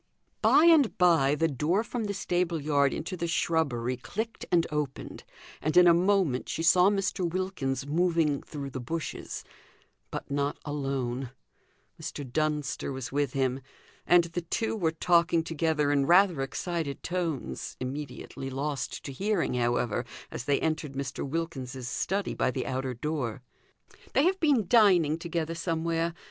By and by the door from the stable yard into the shrubbery clicked and opened, and in a moment she saw Mr. Wilkins moving through the bushes; but not alone, Mr. Dunster was with him, and the two were talking together in rather excited tones, immediately lost to hearing, however, as they entered Mr. Wilkins's study by the outer door. "They have been dining together somewhere.